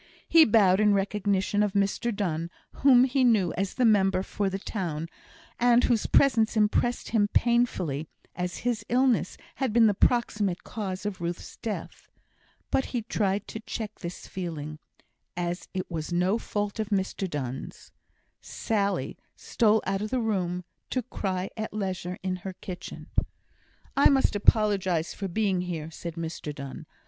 He bowed in recognition of Mr Donne, whom he knew as the member for the town, and whose presence impressed him painfully, as his illness had been the proximate cause of Ruth's death. But he tried to check this feeling, as it was no fault of Mr Donne's. Sally stole out of the room, to cry at leisure in her kitchen. "I must apologise for being here," said Mr Donne.